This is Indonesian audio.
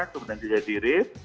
kemudian jadil diri